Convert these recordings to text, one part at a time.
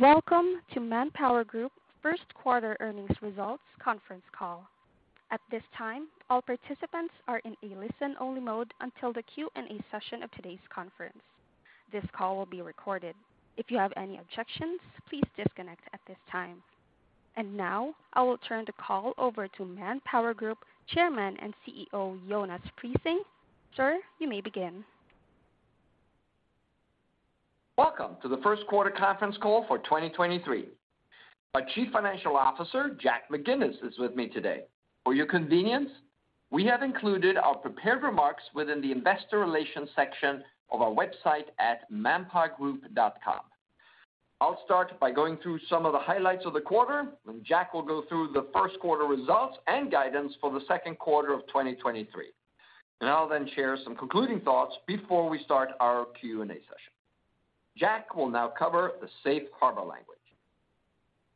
Welcome to ManpowerGroup First Quarter Earnings Results Conference Call. At this time, all participants are in a listen-only mode until the Q&A session of today's conference. This call will be recorded. If you have any objections, please disconnect at this time. Now, I will turn the call over to ManpowerGroup Chairman and CEO, Jonas Prising. Sir, you may begin. Welcome to the First Quarter Conference Call for 2023. Our Chief Financial Officer, Jack McGinnis, is with me today. For your convenience, we have included our prepared remarks within the Investor Relations section of our website at manpowergroup.com. I'll start by going through some of the highlights of the quarter, then Jack will go through the first quarter results and guidance for the second quarter of 2023. I'll then share some concluding thoughts before we start our Q&A session. Jack will now cover the Safe Harbor language.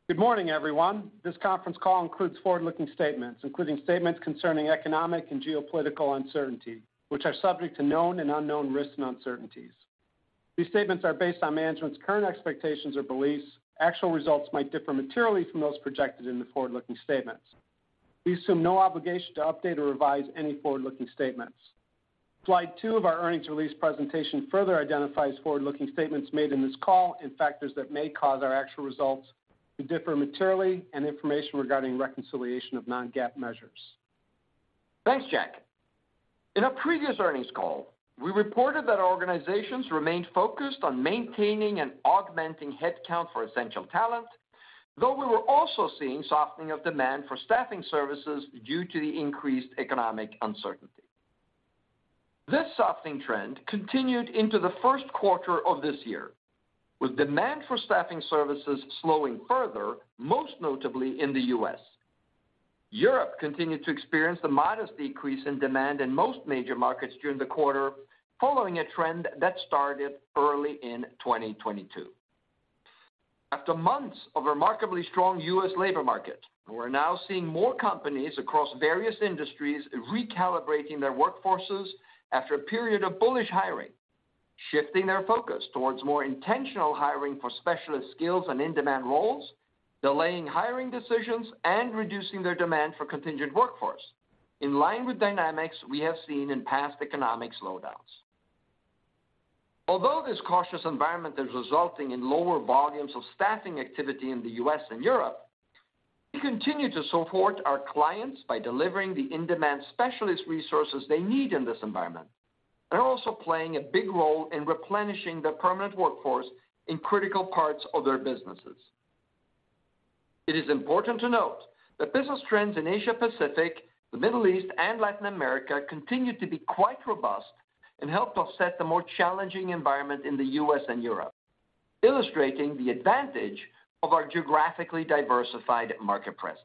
Good morning, everyone. This conference call includes forward-looking statements, including statements concerning economic and geopolitical uncertainty, which are subject to known and unknown risks and uncertainties. These statements are based on management's current expectations or beliefs. Actual results might differ materially from those projected in the forward-looking statements. We assume no obligation to update or revise any forward-looking statements. Slide two of our Earnings Release Presentation further identifies forward-looking statements made in this call and factors that may cause our actual results to differ materially and information regarding reconciliation of non-GAAP measures. Thanks, Jack. In our previous earnings call, we reported that our organizations remained focused on maintaining and augmenting headcount for essential talent, though we were also seeing softening of demand for staffing services due to the increased economic uncertainty. This softening trend continued into the first quarter of this year, with demand for staffing services slowing further, most notably in the U.S. Europe continued to experience the modest decrease in demand in most major markets during the quarter, following a trend that started early in 2022. After months of remarkably strong U.S. labor market, we're now seeing more companies across various industries recalibrating their workforces after a period of bullish hiring, shifting their focus towards more intentional hiring for specialist skills and in-demand roles, delaying hiring decisions and reducing their demand for contingent workforce. In line with dynamics we have seen in past economic slowdowns. Although this cautious environment is resulting in lower volumes of staffing activity in the U.S. and Europe, we continue to support our clients by delivering the in-demand specialist resources they need in this environment. They're also playing a big role in replenishing the permanent workforce in critical parts of their businesses. It is important to note that business trends in Asia Pacific, the Middle East, and Latin America continue to be quite robust and help to offset the more challenging environment in the U.S. and Europe, illustrating the advantage of our geographically diversified market presence.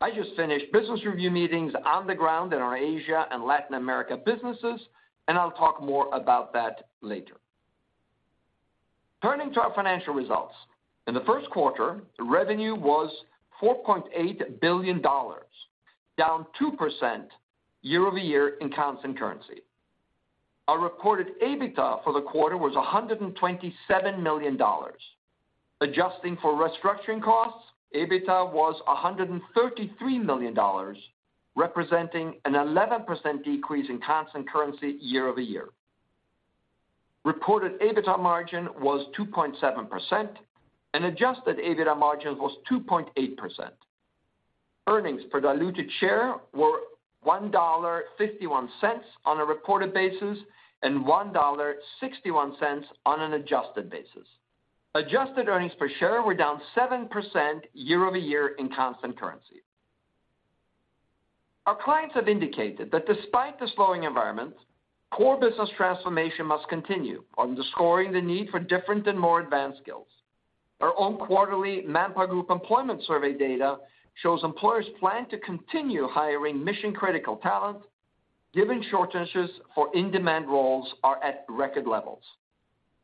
I just finished business review meetings on the ground in our Asia and Latin America businesses, and I'll talk more about that later. Turning to our financial results. In the first quarter, the revenue was $4.8 billion, down 2% year-over-year in constant currency. Our reported EBITDA for the quarter was $127 million. Adjusting for restructuring costs, EBITDA was $133 million, representing an 11% decrease in constant currency year-over-year. Reported EBITDA margin was 2.7%, and adjusted EBITDA margin was 2.8%. Earnings per diluted share were $1.51 on a reported basis and $1.61 on an adjusted basis. Adjusted earnings per share were down 7% year-over-year in constant currency. Our clients have indicated that despite the slowing environment, core business transformation must continue, underscoring the need for different and more advanced skills. Our own quarterly ManpowerGroup Employment Survey data shows employers plan to continue hiring mission-critical talent, given shortages for in-demand roles are at record levels.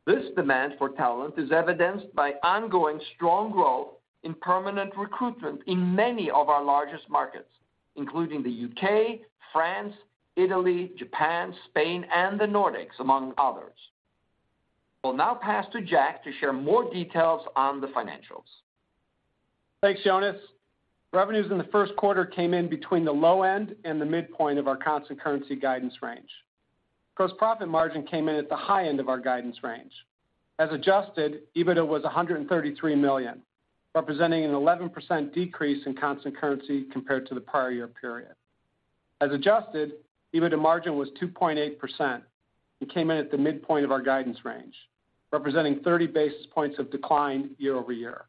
This demand for talent is evidenced by ongoing strong growth in permanent recruitment in many of our largest markets, including the U.K., France, Italy, Japan, Spain, and the Nordics, among others. I will now pass to Jack to share more details on the financials. Thanks, Jonas. Revenues in the first quarter came in between the low end and the midpoint of our constant currency guidance range. Gross profit margin came in at the high end of our guidance range. As adjusted, EBITDA was $133 million, representing an 11% decrease in constant currency compared to the prior year period. As adjusted, EBITDA margin was 2.8% and came in at the midpoint of our guidance range, representing 30 basis points of decline year-over-year.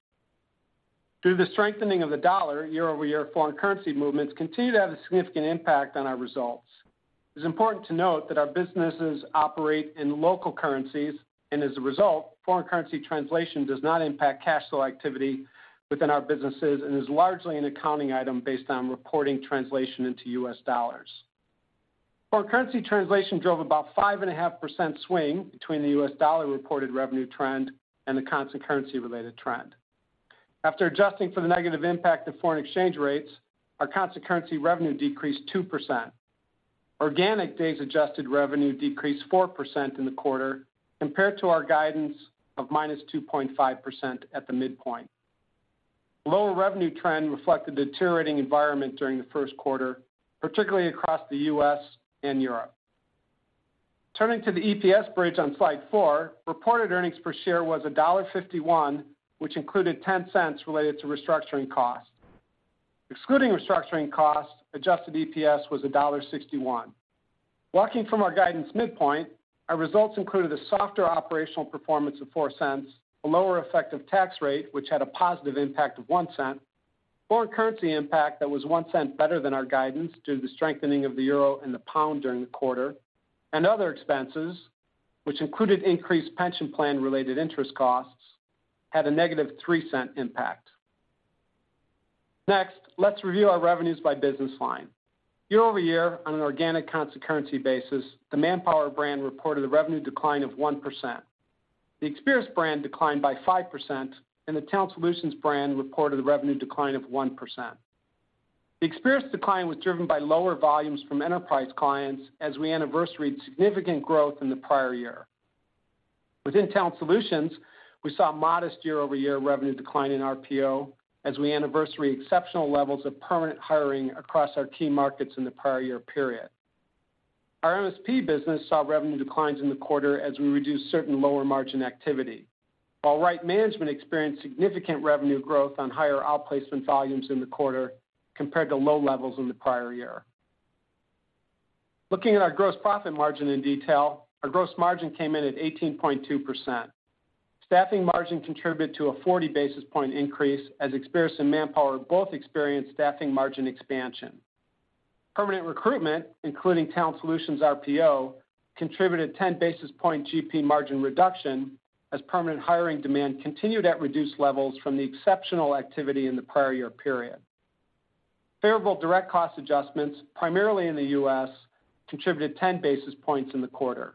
Due to the strengthening of the US dollar, year-over-year foreign currency movements continue to have a significant impact on our results. It's important to note that our businesses operate in local currencies, and as a result, foreign currency translation does not impact cash flow activity within our businesses and is largely an accounting item based on reporting translation into US dollars. Foreign currency translation drove about 5.5% swing between the US dollar reported revenue trend and the constant currency related trend. After adjusting for the negative impact of foreign exchange rates, our constant currency revenue decreased 2%. Organic days adjusted revenue decreased 4% in the quarter compared to our guidance of -2.5% at the midpoint. Lower revenue trend reflected deteriorating environment during the first quarter, particularly across the U.S. and Europe. Turning to the EPS bridge on slide 4, reported earnings per share was $1.51, which included $0.10 related to restructuring costs. Excluding restructuring costs, adjusted EPS was $1.61. Walking from our guidance midpoint, our results included a softer operational performance of $0.04, a lower effective tax rate, which had a positive impact of $0.01, foreign currency impact that was $0.01 better than our guidance due to the strengthening of the EUR and the GBP during the quarter. Other expenses, which included increased pension plan related interest costs, had a negative $0.03 impact. Next, let's review our revenues by business line. Year-over-year on an organic constant currency basis, the Manpower brand reported a revenue decline of 1%. The Experis brand declined by 5%, and the Talent Solutions brand reported a revenue decline of 1%. The Experis decline was driven by lower volumes from enterprise clients as we anniversaried significant growth in the prior year. Within Talent Solutions, we saw a modest year-over-year revenue decline in RPO as we anniversary exceptional levels of permanent hiring across our key markets in the prior year period. Our MSP business saw revenue declines in the quarter as we reduced certain lower margin activity. While Right Management experienced significant revenue growth on higher outplacement volumes in the quarter compared to low levels in the prior year. Looking at our gross profit margin in detail, our gross margin came in at 18.2%. Staffing margin contributed to a 40 basis point increase as Experis and Manpower both experienced staffing margin expansion. Permanent recruitment, including Talent Solutions RPO, contributed 10 basis point GP margin reduction as permanent hiring demand continued at reduced levels from the exceptional activity in the prior year period. Favorable direct cost adjustments, primarily in the U.S., contributed 10 basis points in the quarter.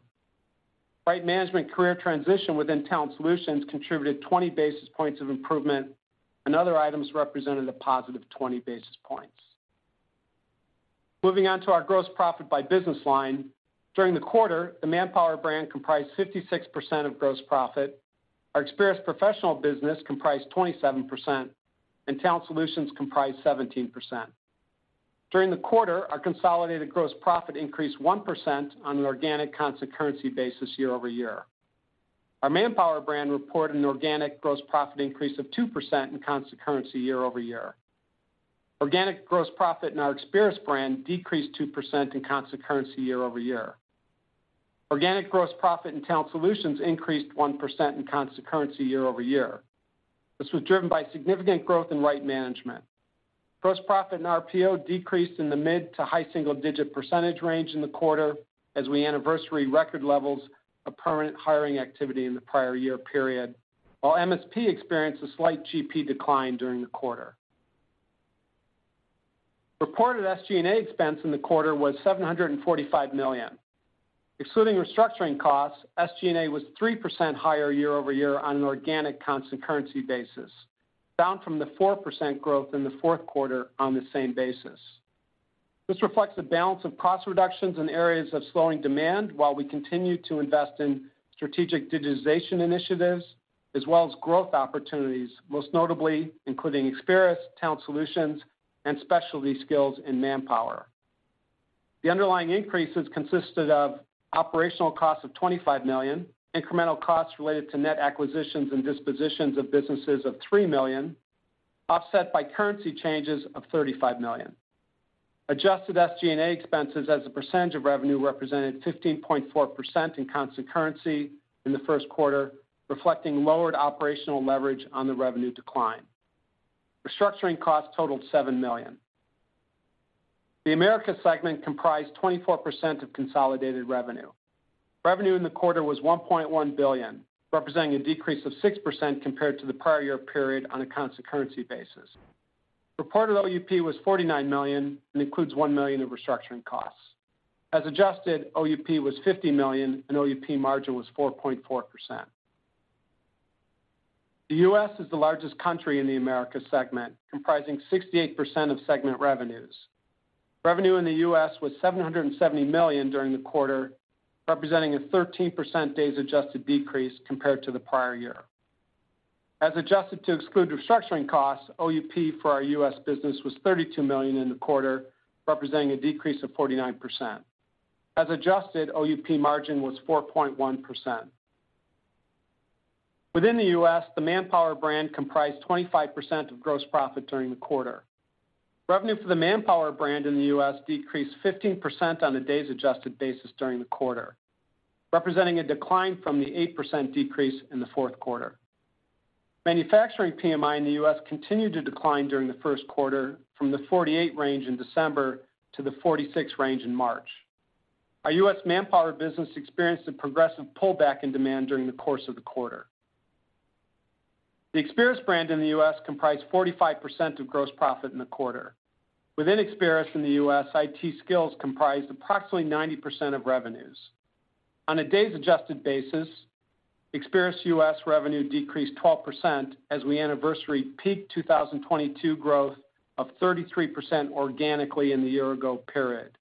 Right Management career transition within Talent Solutions contributed 20 basis points of improvement. Other items represented a positive 20 basis points. Moving on to our gross profit by business line. During the quarter, the Manpower brand comprised 56% of gross profit. Our Experis professional business comprised 27%, and Talent Solutions comprised 17%. During the quarter, our consolidated gross profit increased 1% on an organic constant currency basis year-over-year. Our Manpower brand reported an organic gross profit increase of 2% in constant currency year-over-year. Organic gross profit in our Experis brand decreased 2% in constant currency year-over-year. Organic gross profit in Talent Solutions increased 1% in constant currency year-over-year. This was driven by significant growth in Right Management. Gross profit in RPO decreased in the mid-to-high single-digit percentage range in the quarter as we anniversary record levels of permanent hiring activity in the prior year period, while MSP experienced a slight GP decline during the quarter. Reported SG&A expense in the quarter was $745 million. Excluding restructuring costs, SG&A was 3% higher year-over-year on an organic constant currency basis, down from the 4% growth in the fourth quarter on the same basis. This reflects a balance of cost reductions in areas of slowing demand while we continue to invest in strategic digitization initiatives as well as growth opportunities, most notably including Experis, Talent Solutions, and Specialty Skills in Manpower. The underlying increases consisted of operational costs of $25 million, incremental costs related to net acquisitions and dispositions of businesses of $3 million, offset by currency changes of $35 million. Adjusted SG&A expenses as a percentage of revenue represented 15.4% in constant currency in the first quarter, reflecting lowered operational leverage on the revenue decline. Restructuring costs totaled $7 million. The Americas segment comprised 24% of consolidated revenue. Revenue in the quarter was $1.1 billion, representing a decrease of 6% compared to the prior year period on a constant currency basis. The reported OUP was $49 million and includes $1 million in restructuring costs. As adjusted, OUP was $50 million, and the OUP margin was 4.4%. The U.S. is the largest country in the Americas segment, comprising 68% of segment revenues. Revenue in the U.S. was $770 million during the quarter, representing a 13% days adjusted decrease compared to the prior year. As adjusted to exclude restructuring costs, OUP for our U.S. business was $32 million in the quarter, representing a decrease of 49%. As adjusted, OUP margin was 4.1%. Within the U.S., the Manpower brand comprised 25% of gross profit during the quarter. Revenue for the Manpower brand in the U.S. decreased 15% on a day-adjusted basis during the quarter, representing a decline from the 8% decrease in the fourth quarter. Manufacturing PMI in the U.S. continued to decline during the first quarter from the 48% range in December to the 46% range in March. Our U.S. Manpower business experienced a progressive pullback in demand during the course of the quarter. The Experis brand in the U.S. comprised 45% of gross profit in the quarter. Within Experis in the U.S., IT Skills comprised approximately 90% of revenues. On a days adjusted basis, Experis U.S. revenue decreased 12% as we anniversary peaked 2022 growth of 33% organically in the year ago period.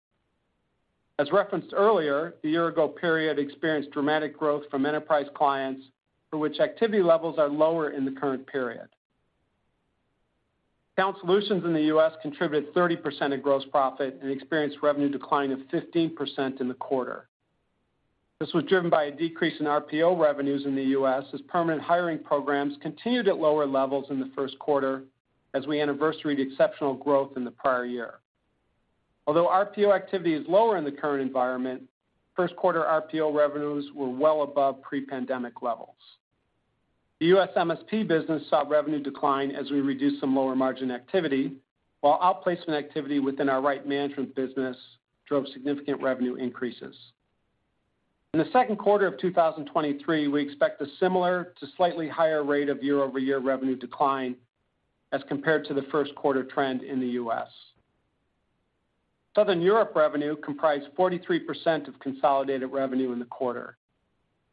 Referenced earlier, the year-ago period experienced dramatic growth from enterprise clients for which activity levels are lower in the current period. Talent Solutions in the U.S. contributed 30% of gross profit and experienced revenue decline of 15% in the quarter. This was driven by a decrease in RPO revenues in the U.S. as permanent hiring programs continued at lower levels in the first quarter as we anniversaried exceptional growth in the prior year. RPO activity is lower in the current environment; first-quarter RPO revenues were well above pre-pandemic levels. The U.S. MSP business saw revenue decline as we reduced some lower margin activity, while outplacement activity within our Right Management business drove significant revenue increases. In the second quarter of 2023, we expect a similar to slightly higher rate of year-over-year revenue decline as compared to the first quarter trend in the U.S. Southern Europe revenue comprised 43% of consolidated revenue in the quarter.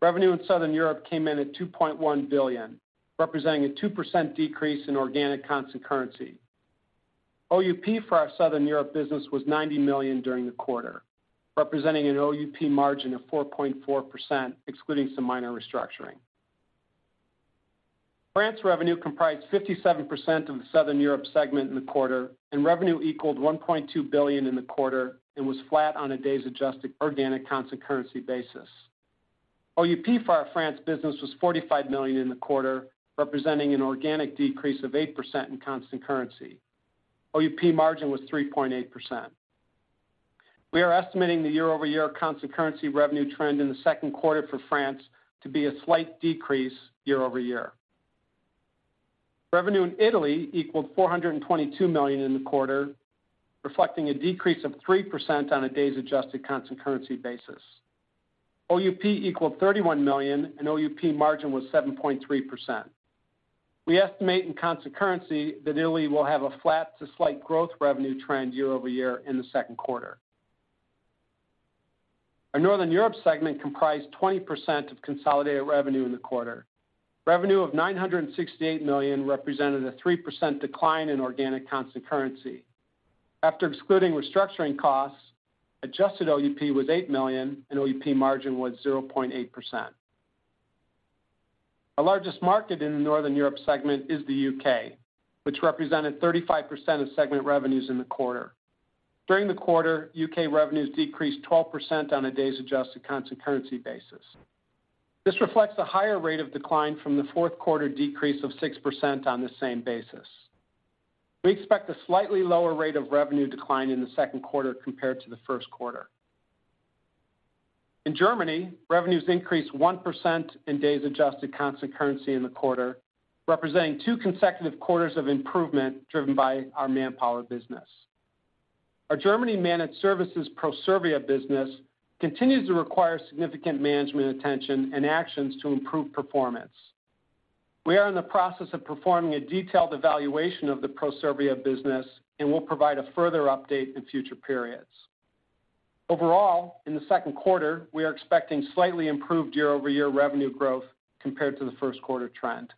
Revenue in Southern Europe came in at $2.1 billion, representing a 2% decrease in organic constant currency. OUP for our Southern Europe business was $90 million during the quarter, representing an OUP margin of 4.4%, excluding some minor restructuring. France revenue comprised 57% of the Southern Europe segment in the quarter, and revenue equaled $1.2 billion in the quarter and was flat on a days adjusted organic constant currency basis. OUP for our France business was $45 million in the quarter, representing an organic decrease of 8% in constant currency. OUP margin was 3.8%. We are estimating the year-over-year constant currency revenue trend in the second quarter for France to be a slight decrease year-over-year. Revenue in Italy equaled $422 million in the quarter, reflecting a decrease of 3% on a day-adjusted constant currency basis. OUP equaled $31 million, and OUP margin was 7.3%. We estimate in constant currency that Italy will have a flat to slight growth revenue trend year-over-year in the second quarter. Our Northern Europe segment comprised 20% of consolidated revenue in the quarter. Revenue of $968 million represented a 3% decline in organic constant currency. After excluding restructuring costs, adjusted OUP was $8 million, and OUP margin was 0.8%. Our largest market in the Northern Europe segment is the U.K., which represented 35% of segment revenues in the quarter. During the quarter, U.K. revenues decreased 12% on a days adjusted constant currency basis. This reflects a higher rate of decline from the fourth quarter decrease of 6% on the same basis. We expect a slightly lower rate of revenue decline in the second quarter compared to the first quarter. In Germany, revenues increased 1% in constant currency in the quarter, representing two consecutive quarters of improvement driven by our Manpower business. Our Germany managed services Proservia business continues to require significant management attention and actions to improve performance. We are in the process of performing a detailed evaluation of the Proservia business. We'll provide a further update in future periods. Overall, in the second quarter, we are expecting slightly improved year-over-year revenue growth compared to the first quarter trend.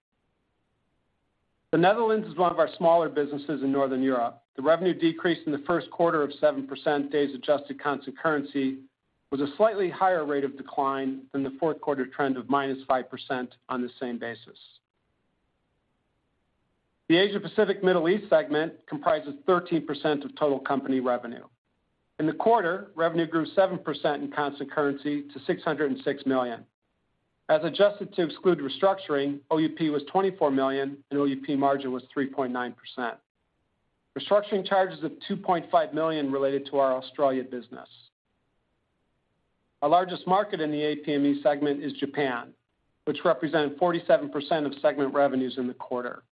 The Netherlands is one of our smaller businesses in Northern Europe. The revenue decrease in the first quarter of 7% days adjusted constant currency was a slightly higher rate of decline than the fourth quarter trend of -5% on the same basis. The Asia-Pacific Middle East segment comprises 13% of total company revenue. In the quarter, revenue grew 7% in constant currency to $606 million. As adjusted to exclude restructuring, OUP was $24 million, and OUP margin was 3.9%. Restructuring charges of $2.5 million related to our Australia business. Our largest market in the APME segment is Japan, which represented 47% of segment revenues in the quarter.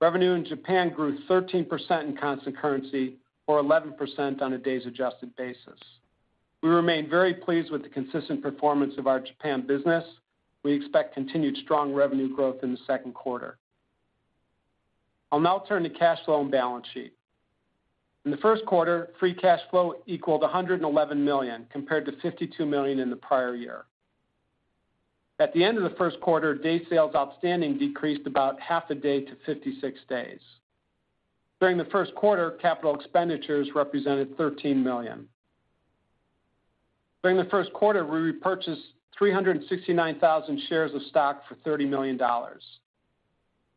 Revenue in Japan grew 13% in constant currency, or 11% on a days adjusted basis. We remain very pleased with the consistent performance of our Japan business. We expect continued strong revenue growth in the second quarter. I'll now turn to cash flow and balance sheet. In the first quarter, free cash flow equaled $111 million, compared to $52 million in the prior year. At the end of the first quarter, day sales outstanding decreased about half a day to 56 days. During the first quarter, capital expenditures represented $13 million. During the first quarter, we repurchased 369,000 shares of stock for $30 million.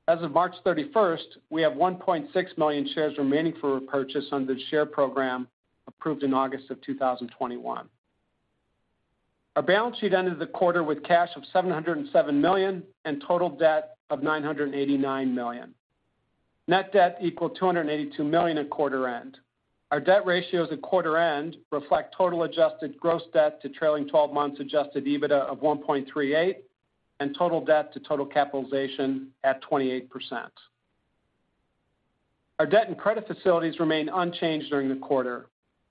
As of March 31st, we have 1.6 million shares remaining for repurchase under the share program approved in August of 2021. Our balance sheet ended the quarter with cash of $707 million and total debt of $989 million. Net debt equaled $282 million at quarter end. Our debt ratios at quarter end reflect total adjusted gross debt to trailing twelve months adjusted EBITDA of 1.38 and total debt to total capitalization at 28%. Our debt and credit facilities remain unchanged during the quarter.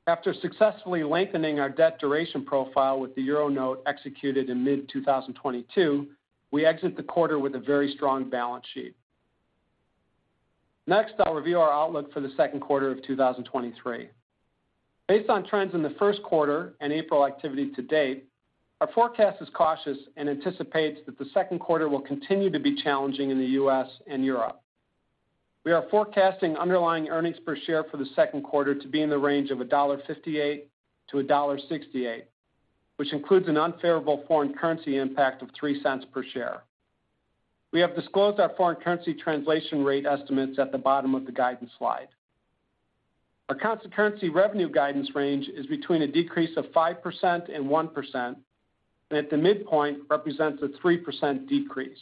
After successfully lengthening our debt duration profile with the Euro note executed in mid 2022, we exit the quarter with a very strong balance sheet. Next, I'll review our outlook for the second quarter of 2023. Based on trends in the first quarter and April activity to date, our forecast is cautious and anticipates that the second quarter will continue to be challenging in the US and Europe. We are forecasting underlying earnings per share for the second quarter to be in the range of $1.58-$1.68, which includes an unfavorable foreign currency impact of $0.03 per share. We have disclosed our foreign currency translation rate estimates at the bottom of the guidance slide. Our constant currency revenue guidance range is between a decrease of 5% and 1%. At the midpoint represents a 3% decrease.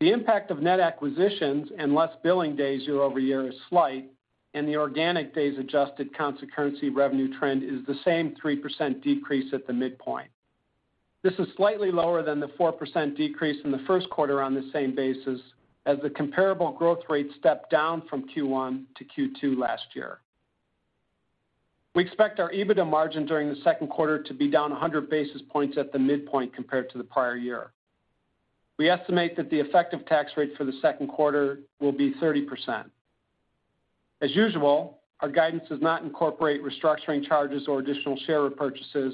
The impact of net acquisitions and less billing days year-over-year is slight. The organic days adjusted count to currency revenue trend is the same 3% decrease at the midpoint. This is slightly lower than the 4% decrease in the first quarter on the same basis as the comparable growth rate stepped down from Q1 to Q2 last year. We expect our EBITDA margin during the second quarter to be down 100 basis points at the midpoint compared to the prior year. We estimate that the effective tax rate for the second quarter will be 30%. As usual, our guidance does not incorporate restructuring charges or additional share repurchases,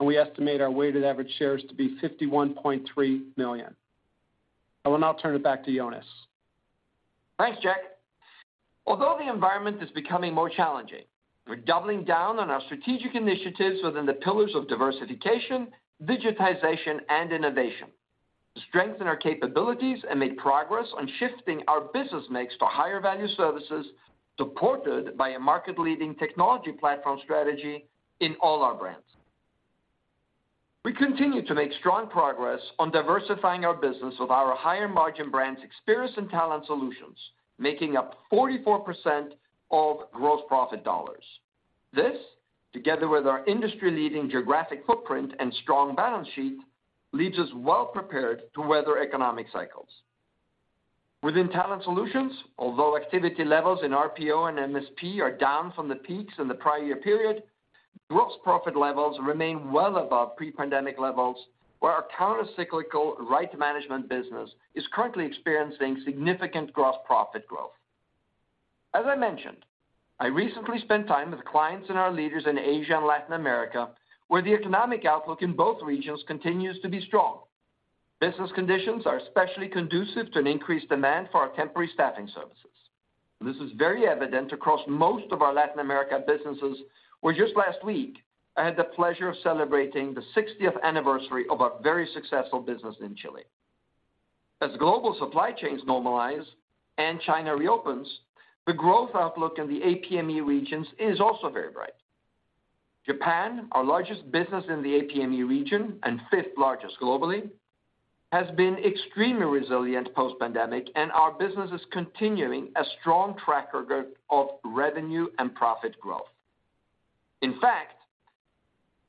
and we estimate our weighted average shares to be 51.3 million. I will now turn it back to Jonas. Thanks, Jack. Although the environment is becoming more challenging, we're doubling down on our strategic initiatives within the pillars of Diversification, Digitization, and Innovation to strengthen our capabilities and make progress on shifting our business mix to higher value services supported by a market-leading technology platform strategy in all our brands. We continue to make strong progress on diversifying our business with our higher margin brands Experis and Talent Solutions, making up 44% of gross profit dollars. This, together with our industry-leading geographic footprint and strong balance sheet, leaves us well prepared to weather economic cycles. Within Talent Solutions, although activity levels in RPO and MSP are down from the peaks in the prior year period, gross profit levels remain well above pre-pandemic levels, where our counter-cyclical Right Management business is currently experiencing significant gross profit growth. As I mentioned, I recently spent time with clients and our leaders in Asia and Latin America, where the economic outlook in both regions continues to be strong. Business conditions are especially conducive to an increased demand for our temporary staffing services. This is very evident across most of our Latin America businesses, where just last week, I had the pleasure of celebrating the 60th anniversary of our very successful business in Chile. As global supply chains normalize and China reopens, the growth outlook in the APME regions is also very bright. Japan, our largest business in the APME region and fifth largest globally, has been extremely resilient post-pandemic, and our business is continuing a strong track record of revenue and profit growth. In fact,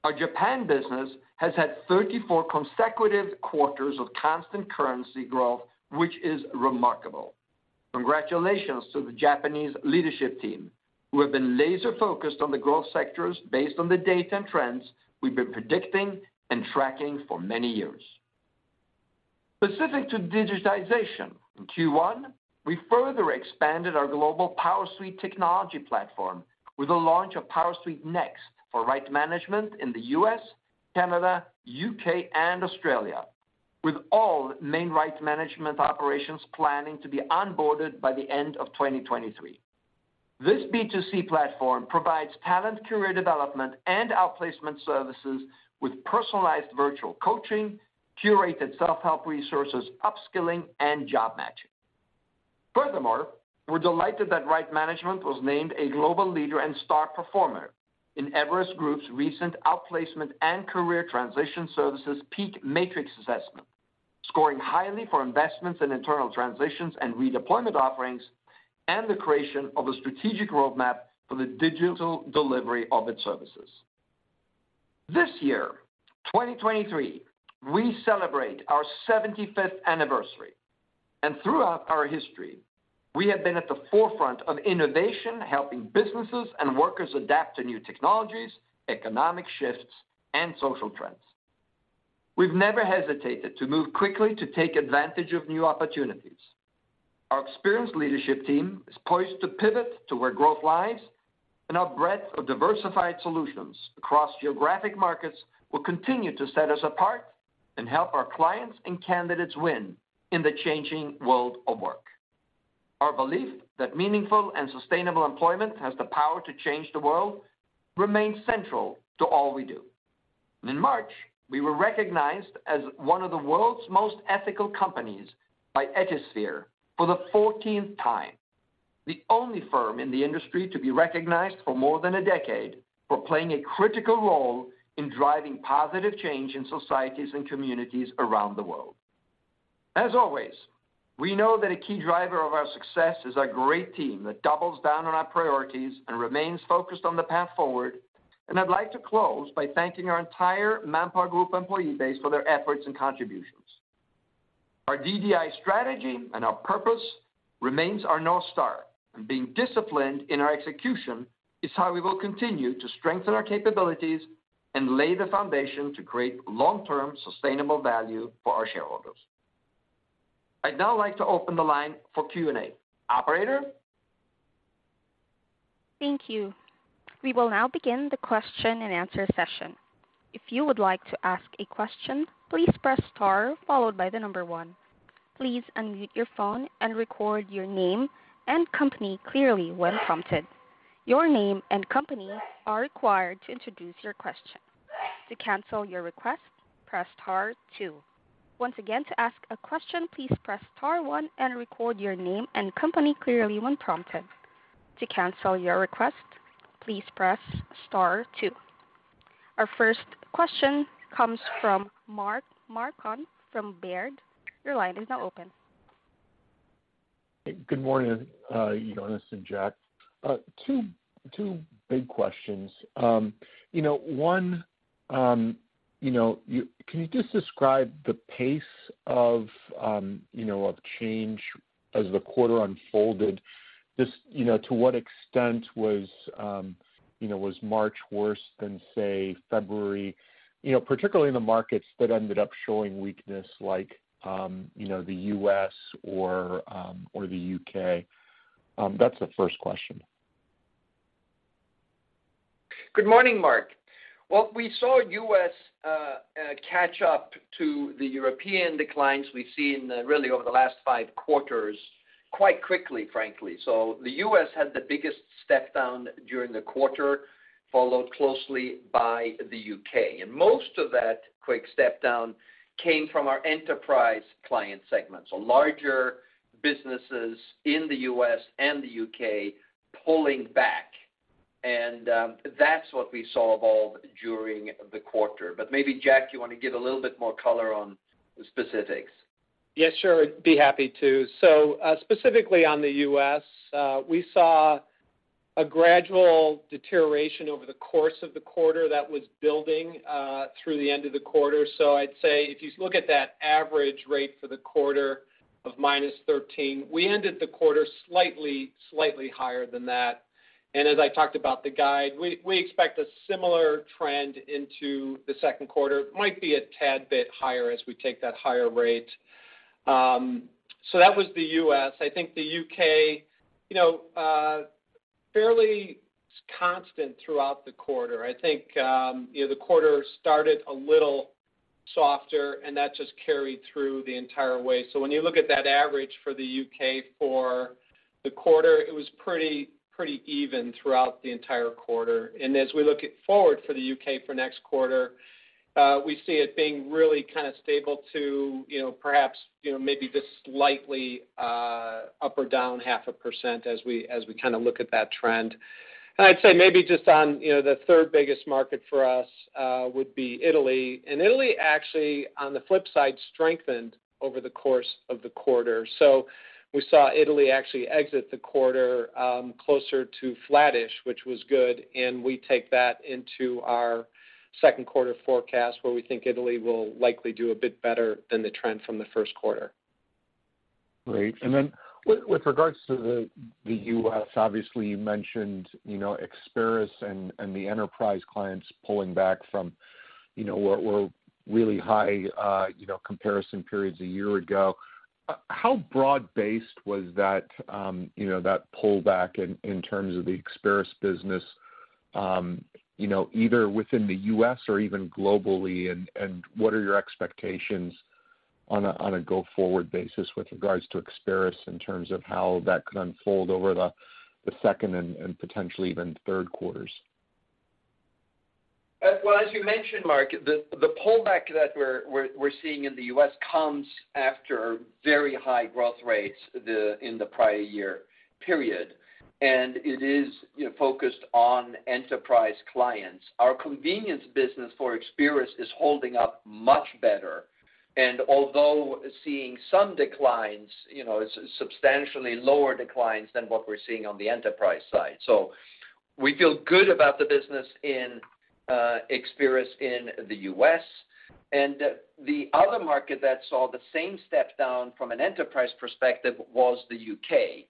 our Japan business has had 34 consecutive quarters of constant currency growth, which is remarkable. Congratulations to the Japanese leadership team who have been laser-focused on the growth sectors based on the data and trends we've been predicting and tracking for many years. Specific to digitization, in Q1, we further expanded our global PowerSuite technology platform with the launch of PowerSuite Next for Right Management in the U.S., Canada, U.K., and Australia, with all main Right Management operations planning to be onboarded by the end of 2023. This B2C platform provides talent career development and outplacement services with personalized virtual coaching, curated self-help resources, upskilling, and job matching. Furthermore, we're delighted that Right Management was named a global leader and star performer in Everest Group's recent Outplacement and Career Transition Services PEAK Matrix assessment, scoring highly for investments in internal transitions and redeployment offerings and the creation of a strategic roadmap for the digital delivery of its services. This year, 2023, we celebrate our 75th anniversary, and throughout our history, we have been at the forefront of innovation, helping businesses and workers adapt to new technologies, economic shifts, and social trends. We've never hesitated to move quickly to take advantage of new opportunities. Our experienced leadership team is poised to pivot to where growth lies, and our breadth of diversified solutions across geographic markets will continue to set us apart and help our clients and candidates win in the changing world of work. Our belief that meaningful and sustainable employment has the power to change the world remains central to all we do. In March, we were recognized as one of the world's most ethical companies by Ethisphere for the 14th time, the only firm in the industry to be recognized for more than a decade for playing a critical role in driving positive change in societies and communities around the world. As always, we know that a key driver of our success is a great team that doubles down on our priorities and remains focused on the path forward. I'd like to close by thanking our entire ManpowerGroup employee base for their efforts and contributions. Our DDI strategy and our purpose remains our North Star. Being disciplined in our execution is how we will continue to strengthen our capabilities and lay the foundation to create long-term sustainable value for our shareholders. I'd now like to open the line for Q&A. Operator? Thank you. We will now begin the question-and-answer session. If you would like to ask a question, please press star followed by 1. Please unmute your phone and record your name and company clearly when prompted. Your name and company are required to introduce your question. To cancel your request, press star 2. Once again, to ask a question, please press star 1 and record your name and company clearly when prompted. To cancel your request, please press star 2. Our first question comes from Mark Marcon from Baird. Your line is now open. Good morning, Jonas and Jack. Two big questions. You know, one, you know, can you just describe the pace of, you know, of change as the quarter unfolded? Just, you know, to what extent was, you know, was March worse than, say, February, you know, particularly in the markets that ended up showing weakness like, you know, the U.S. or the U.K.? That's the first question. Good morning, Mark. Well, we saw U.S. catch up to the European declines we've seen really over the last five quarters quite quickly, frankly. The U.S. had the biggest step down during the quarter, followed closely by the U.K. Most of that quick step down came from our enterprise client segments, so larger businesses in the U.S. and the U.K. pulling back. That's what we saw evolve during the quarter. Maybe Jack, you want to give a little bit more color on the specifics. Yes, sure. Be happy to. Specifically on the U.S., we saw a gradual deterioration over the course of the quarter that was building through the end of the quarter. I'd say if you look at that average rate for the quarter of -13, we ended the quarter slightly higher than that. As I talked about the guide, we expect a similar trend into the 2nd quarter. It might be a tad bit higher as we take that higher rate. That was the U.S. I think the U.K., you know, fairly constant throughout the quarter. I think, you know, the quarter started a little softer, and that just carried through the entire way. When you look at that average for the U.K. for the quarter, it was pretty even throughout the entire quarter. As we look at forward for the U.K. for next quarter, we see it being really kind of stable to, you know, perhaps, you know, maybe just slightly up or down 0.5% as we kind of look at that trend. I'd say maybe just on, you know, the third-biggest market for us, would be Italy. Italy actually, on the flip side, strengthened over the course of the quarter. We saw Italy actually exit the quarter closer to flattish, which was good, and we take that into our second quarter forecast, where we think Italy will likely do a bit better than the trend from the first quarter. Great. With, with regards to the U.S., obviously, you mentioned, you know, Experis and the enterprise clients pulling back from, you know, what were really high, you know, comparison periods a year ago. How broad-based was that, you know, that pullback in terms of the Experis business, you know, either within the U.S. or even globally? What are your expectations on a, on a go-forward basis with regards to Experis in terms of how that could unfold over the second and potentially even third quarters? Well, as you mentioned, Mark, the pullback that we're seeing in the U.S. comes after very high growth rates in the prior year period. It is, you know, focused on enterprise clients. Our convenience business for Experis is holding up much better. Although seeing some declines, you know, it's substantially lower declines than what we're seeing on the enterprise side. We feel good about the business in Experis in the U.S. The other market that saw the same step down from an enterprise perspective was the U.K.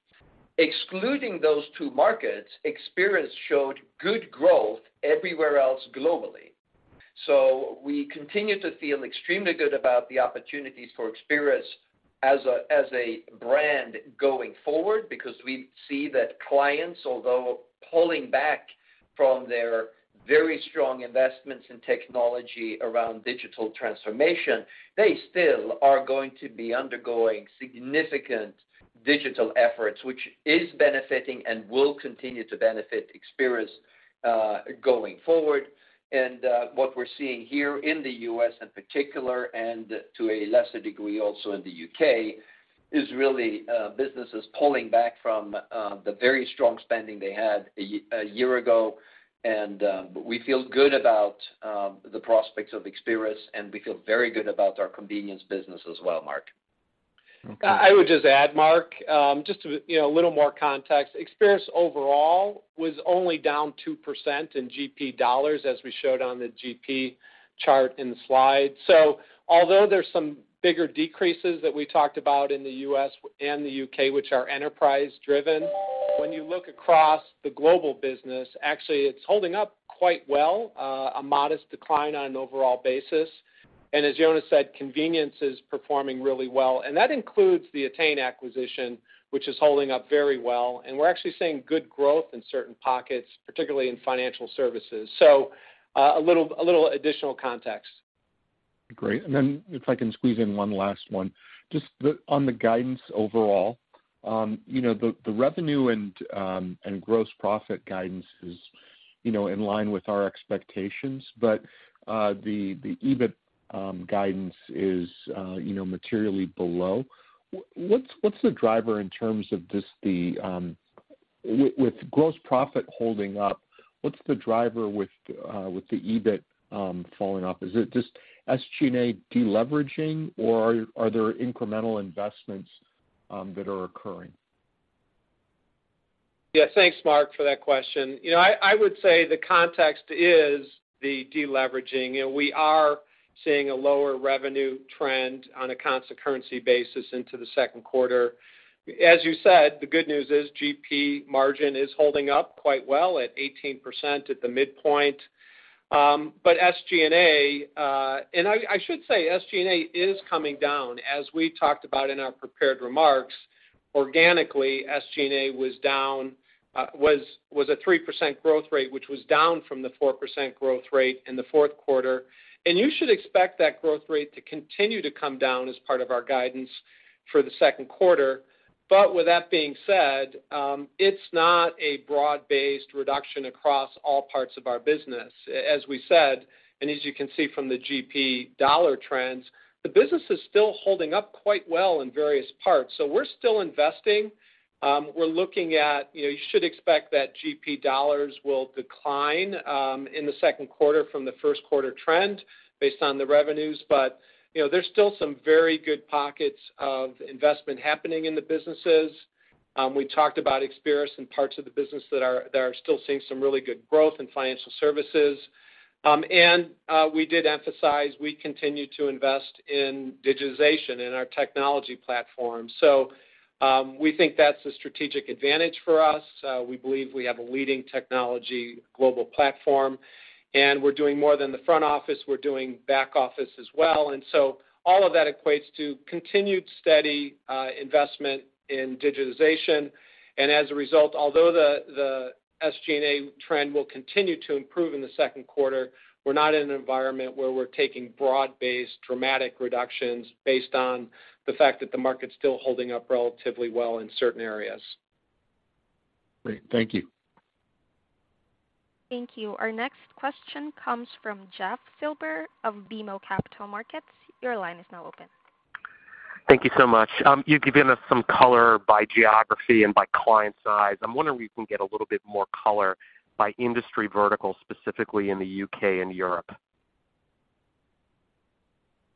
Excluding those two markets, Experis showed good growth everywhere else globally. We continue to feel extremely good about the opportunities for Experis as a brand going forward because we see that clients, although pulling back from their very strong investments in technology around digital transformation, they still are going to be undergoing significant digital efforts, which is benefiting and will continue to benefit Experis going forward. What we're seeing here in the U.S. in particular, and to a lesser degree also in the U.K., is really businesses pulling back from the very strong spending they had a year ago. But we feel good about the prospects of Experis, and we feel very good about our convenience business as well, Mark. I would just add, Mark, you know, a little more context. Experis overall was only down 2% in GP dollars, as we showed on the GP chart in the slide. Although there's some bigger decreases that we talked about in the U.S. and the U.K., which are enterprise-driven, when you look across the global business, actually it's holding up quite well, a modest decline on an overall basis. As Jonas said, convenience is performing really well. That includes the ettain group acquisition, which is holding up very well. We're actually seeing good growth in certain pockets, particularly in financial services. A little additional context. Great. If I can squeeze in one last one. Just on the guidance overall, you know, the revenue and gross profit guidance is, you know, in line with our expectations. The EBIT guidance is, you know, materially below. What's the driver in terms of just the gross profit holding up, what's the driver with the EBIT falling off? Is it just SG&A deleveraging, or are there incremental investments that are occurring? Thanks, Mark, for that question. I would say the context is the deleveraging. We are seeing a lower revenue trend on a constant currency basis into the second quarter. As you said, the good news is GP margin is holding up quite well at 18% at the midpoint. SG&A, and I should say SG&A is coming down. As we talked about in our prepared remarks, organically, SG&A was down, was a 3% growth rate, which was down from the 4% growth rate in the fourth quarter. You should expect that growth rate to continue to come down as part of our guidance for the second quarter. With that being said, it's not a broad-based reduction across all parts of our business. As we said, as you can see from the GP dollar trends, the business is still holding up quite well in various parts. We're still investing. We're looking at, you know, you should expect that GP dollars will decline in the second quarter from the first quarter trend based on the revenues. You know, there's still some very good pockets of investment happening in the businesses. We talked about Experis and parts of the business that are still seeing some really good growth in financial services. We did emphasize we continue to invest in Digitization in our technology platform. We think that's a strategic advantage for us. We believe we have a leading technology global platform, we're doing more than the front office, we're doing back office as well. All of that equates to continued steady investment in digitization. As a result, although the SG&A trend will continue to improve in the second quarter, we're not in an environment where we're taking broad-based dramatic reductions based on the fact that the market's still holding up relatively well in certain areas. Great. Thank you. Thank you. Our next question comes from Jeff Silber of BMO Capital Markets. Your line is now open. Thank you so much. You've given us some color by geography and by client size. I'm wondering if we can get a little bit more color by industry vertical, specifically in the U.K. and Europe.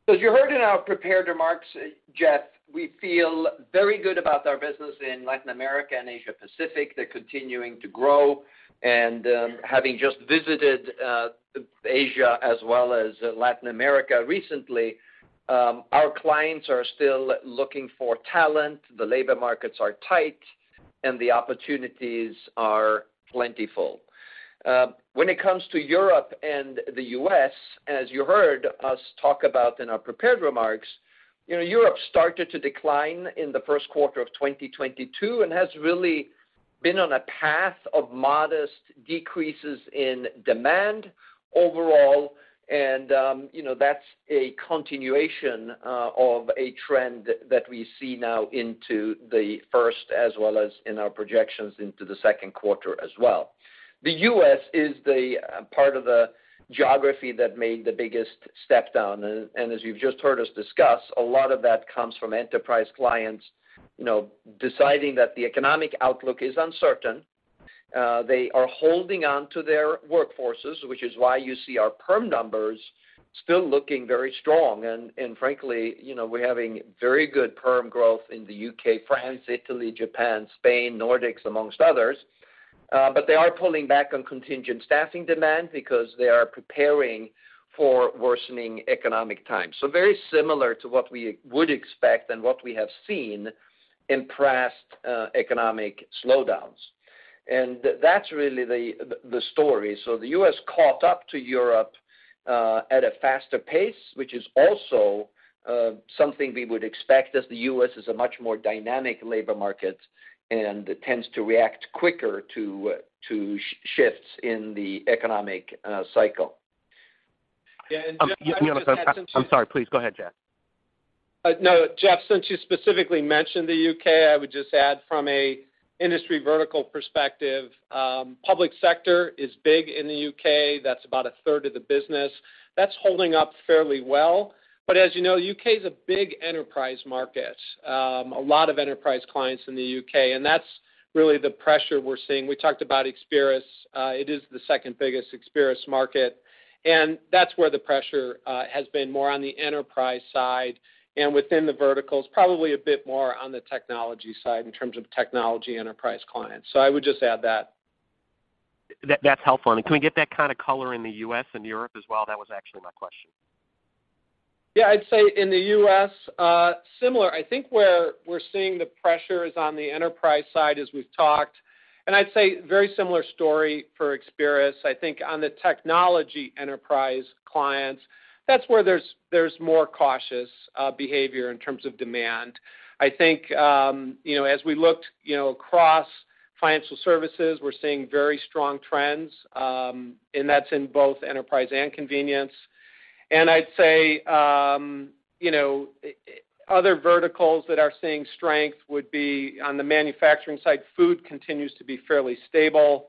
As you heard in our prepared remarks, Jeff, we feel very good about our business in Latin America and Asia Pacific. They're continuing to grow. Having just visited Asia as well as Latin America recently, our clients are still looking for talent, the labor markets are tight, and the opportunities are plentiful. When it comes to Europe and the U.S., as you heard us talk about in our prepared remarks, you know, Europe started to decline in the first quarter of 2022 and has really been on a path of modest decreases in demand overall. You know, that's a continuation of a trend that we see now into the first as well as in our projections into the second quarter as well. The U.S. is the part of the geography that made the biggest step-down. As you've just heard us discuss, a lot of that comes from enterprise clients, you know, deciding that the economic outlook is uncertain. They are holding on to their workforces, which is why you see our perm numbers still looking very strong. Frankly, you know, we're having very good perm growth in the U.K., France, Italy, Japan, Spain, Nordics, amongst others. They are pulling back on contingent staffing demand because they are preparing for worsening economic times. Very similar to what we would expect and what we have seen in past economic slowdowns. That's really the story. The U.S. caught up to Europe at a faster pace, which is also something we would expect as the U.S. is a much more dynamic labor market and tends to react quicker to shifts in the economic cycle. No, Jeff, since you specifically mentioned the U.K., I would just add from a industry vertical perspective, public sector is big in the U.K. That's about a third of the business. That's holding up fairly well. As you know, U.K. is a big enterprise market, a lot of enterprise clients in the U.K. That's really the pressure we're seeing. We talked about Experis. It is the second-biggest Experis market, and that's where the pressure has been more on the enterprise side and within the verticals, probably a bit more on the technology side in terms of technology enterprise clients. I would just add that. That's helpful. Can we get that kind of color in the U.S. and Europe as well? That was actually my question. I'd say in the U.S., similar. I think where we're seeing the pressure is on the enterprise side, as we've talked, I'd say very similar story for Experis. I think on the technology enterprise clients, that's where there's more cautious behavior in terms of demand. As we looked across financial services, we're seeing very strong trends, and that's in both enterprise and convenience. I'd say other verticals that are seeing strength would be on the manufacturing side. Food continues to be fairly stable.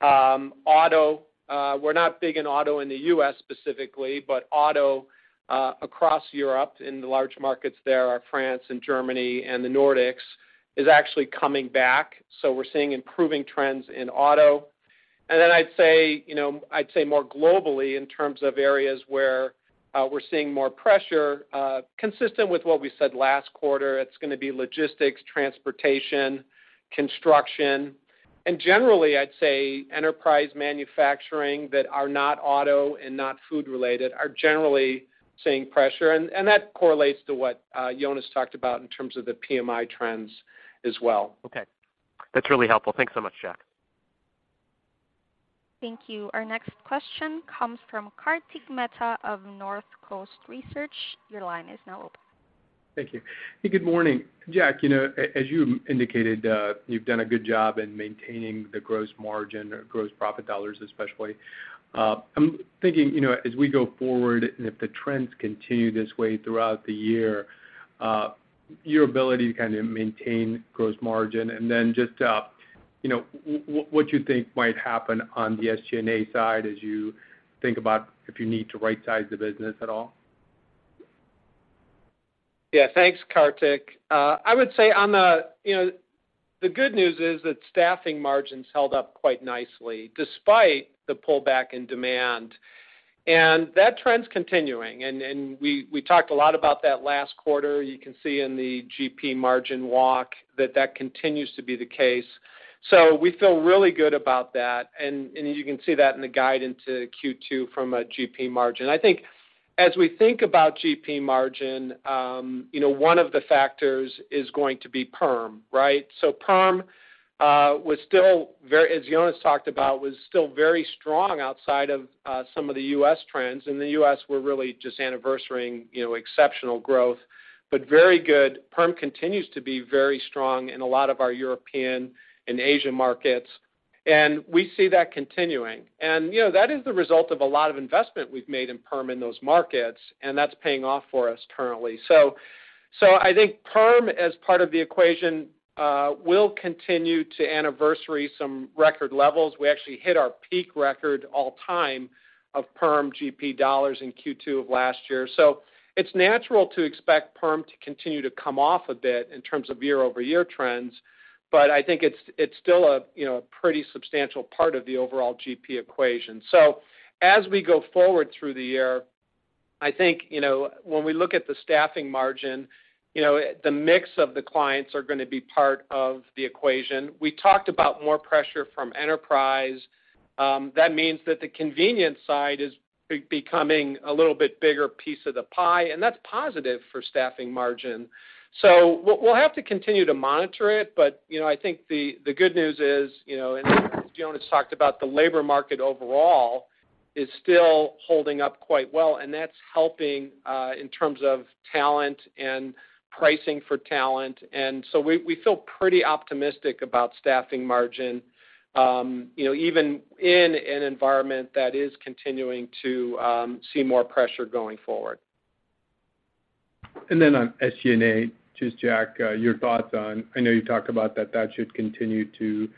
Auto, we're not big in auto in the U.S. specifically, but auto across Europe in the large markets there are France and Germany and the Nordics is actually coming back. We're seeing improving trends in auto. Then I'd say more globally in terms of areas where we're seeing more pressure, consistent with what we said last quarter, it's gonna be logistics, transportation, construction. Generally, I'd say enterprise manufacturing that are not auto and not food related are generally seeing pressure. That correlates to what Jonas talked about in terms of the PMI trends as well. That's really helpful. Thanks so much, Jack. Thank you. Our next question comes from Kartik Mehta of North Coast Research. Your line is now open. Thank you. Good morning. Jack, you know, as you indicated, you've done a good job in maintaining the gross margin or gross profit dollars, especially. I'm thinking, you know, as we go forward and if the trends continue this way throughout the year, your ability to kind of maintain gross margin, and then just, you know, what you think might happen on the SG&A side as you think about if you need to rightsize the business at all. Thanks, Kartik. You know, the good news is that staffing margins held up quite nicely despite the pullback in demand, that trend's continuing. We talked a lot about that last quarter. You can see in the GP margin walk that continues to be the case. We feel really good about that. You can see that in the guide into Q2 from a GP margin. I think as we think about GP margin, you know, one of the factors is going to be perm, right? Perm, as Jonas talked about, was still very strong outside of some of the US trends. In the US, we're really just anniversarying, you know, exceptional growth, very good. Perm continues to be very strong in a lot of our European and Asian markets, and we see that continuing. You know, that is the result of a lot of investment we've made in perm in those markets, and that's paying off for us currently. I think perm, as part of the equation, will continue to anniversary some record levels. We actually hit our peak record all time of perm GP dollars in Q2 of last year. It's natural to expect perm to continue to come off a bit in terms of year-over-year trends, but I think it's still a, you know, a pretty substantial part of the overall GP equation. As we go forward through the year, I think, you know, when we look at the staffing margin, you know, the mix of the clients are gonna be part of the equation. We talked about more pressure from enterprise, that means that the convenience side is becoming a little bit bigger piece of the pie, and that's positive for staffing margin. We'll have to continue to monitor it. You know, I think the good news is, you know, and as Jonas talked about, the labor market overall is still holding up quite well, and that's helping in terms of talent and pricing for talent. We feel pretty optimistic about staffing margin, you know, even in an environment that is continuing to see more pressure going forward. On SG&A, just Jack, I know you talked about that it should continue to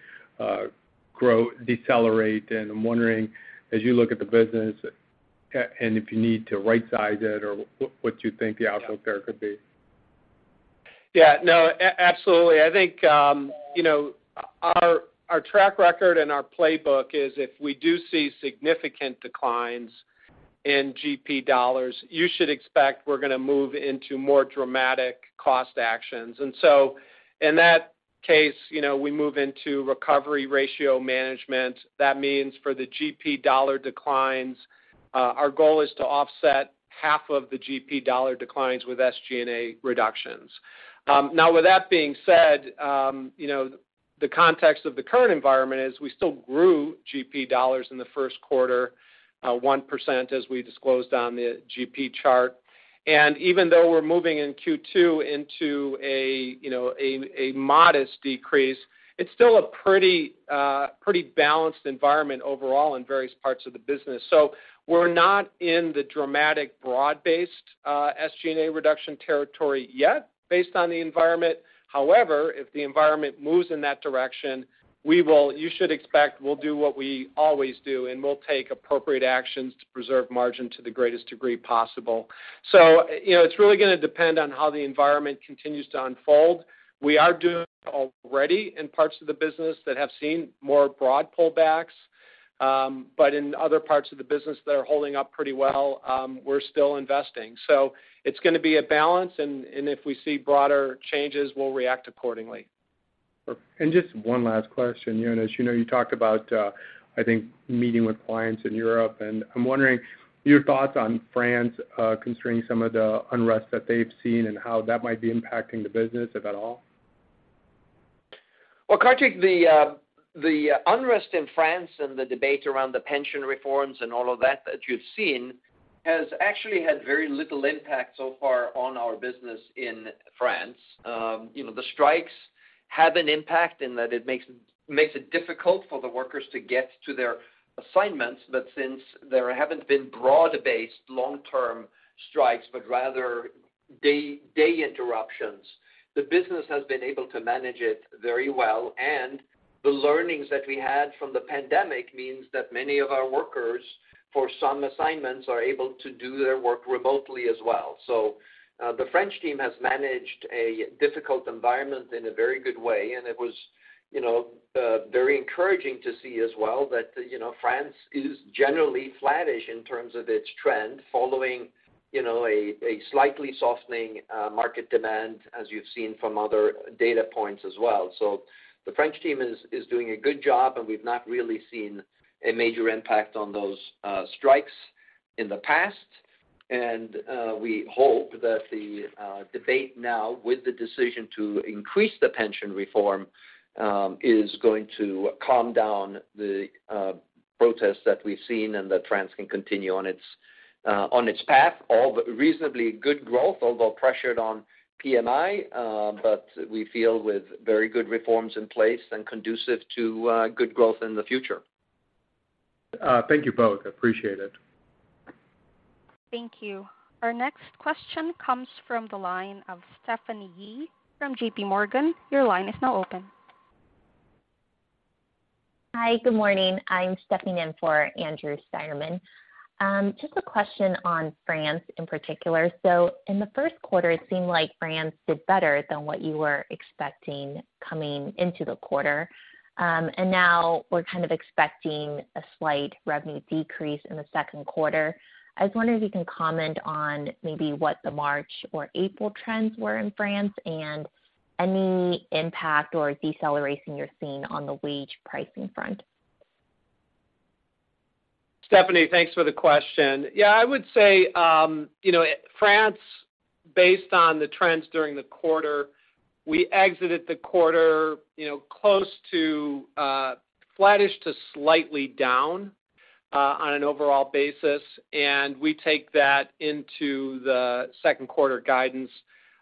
decelerate. I'm wondering, as you look at the business and if you need to right size it or what you think the outcome there could be? No. Absolutely. I think, you know, our track record and our playbook is if we do see significant declines in GP dollars, you should expect we're gonna move into more dramatic cost actions. In that case, you know, we move into recovery ratio management. That means for the GP dollar declines, our goal is to offset half of the GP dollar declines with SG&A reductions. Now with that being said, you know, the context of the current environment is we still grew GP dollars in the first quarter, 1% as we disclosed on the GP chart. Even though we're moving in Q2 into you know, a modest decrease, it's still a pretty balanced environment overall in various parts of the business. We're not in the dramatic broad-based SG&A reduction territory yet based on the environment. However, if the environment moves in that direction, you should expect we'll do what we always do, and we'll take appropriate actions to preserve margin to the greatest degree possible. You know, it's really gonna depend on how the environment continues to unfold. We are doing already in parts of the business that have seen more broad pullbacks. But in other parts of the business that are holding up pretty well, we're still investing. It's gonna be a balance, and if we see broader changes, we'll react accordingly. Just one last question. Jonas, you know, you talked about, I think meeting with clients in Europe, and I'm wondering your thoughts on France, considering some of the unrest that they've seen and how that might be impacting the business, if at all. Well, Kartik, the unrest in France and the debate around the pension reforms and all of that that you've seen has actually had very little impact so far on our business in France. You know, the strikes have an impact in that it makes it difficult for the workers to get to their assignments. Since there haven't been broad-based long-term strikes, but rather day interruptions, the business has been able to manage it very well. The learnings that we had from the pandemic means that many of our workers, for some assignments, are able to do their work remotely as well. The French team has managed a difficult environment in a very good way, and it was, you know, very encouraging to see as well that, you know, France is generally flattish in terms of its trend following, you know, a slightly softening market demand, as you've seen from other data points as well. The French team is doing a good job, and we've not really seen a major impact on those strikes in the past. We hope that the debate now with the decision to increase the pension reform is going to calm down the protests that we've seen and that France can continue on its on its path. All reasonably good growth, although pressured on PMI, but we feel with very good reforms in place and conducive to good growth in the future. Thank you both. Appreciate it. Thank you. Our next question comes from the line of Stephanie Ye from JPMorgan. Your line is now open. Hi. Good morning. I'm stepping in for Andrew Steinerman. Just a question on France in particular. In the first quarter, it seemed like France did better than what you were expecting coming into the quarter. Now we're kind of expecting a slight revenue decrease in the second quarter. I was wondering if you can comment on maybe what the March or April trends were in France and any impact or deceleration you're seeing on the wage pricing front. Stephanie, thanks for the question. I would say France, based on the trends during the quarter, we exited the quarter, you know, close to flattish to slightly down on an overall basis. We take that into the second quarter guidance,